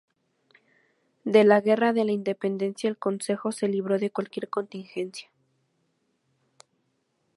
De la Guerra de la Independencia el concejo se libró de cualquier contingencia.